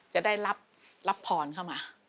จะได้รับพรเข้ามา